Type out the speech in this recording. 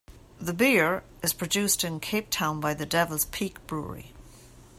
The beer is produced in Cape Town by the Devil's Peak Brewery.